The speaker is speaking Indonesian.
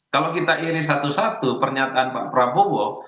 kalau kita iris satu satu pernyataan pak prabowo